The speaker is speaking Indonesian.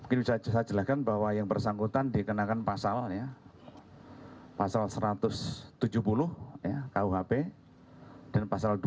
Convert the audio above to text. ini saja saja bahwa yang bersangkutan dikenakan pasalnya pasal satu ratus tujuh puluh ya kau hp dan pasal dua ratus dua belas